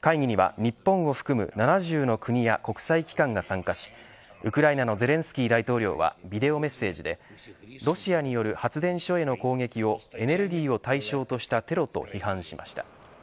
会議には日本を含む７０の国や国際機関が参加しウクライナのゼレンスキー大統領はビデオメッセージでロシアによる発電所への攻撃をエネルギーを対象としたテロと批判しました。